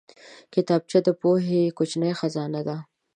کتابچه د پوهې کوچنۍ خزانه ده